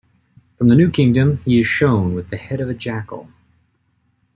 From the New Kingdom he is shown with the head of a jackal.